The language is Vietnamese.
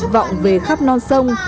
vọng về khắp non sông